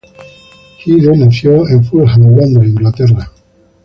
Hyde nació en Fulham, Londres, Inglaterra.